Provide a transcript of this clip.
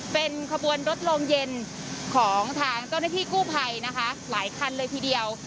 เป็นขบวนรถโรงเย็นของทางเจ้าหน้าที่กู้ภัยนะคะหลายคันเลยทีเดียว